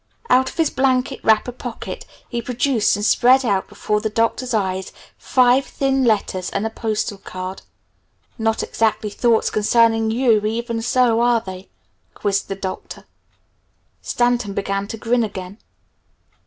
Out of his blanket wrapper pocket he produced and spread out before the Doctor's eyes five thin letters and a postal card. "Not exactly thoughts concerning you, even so, are they?" quizzed the Doctor. Stanton began to grin again.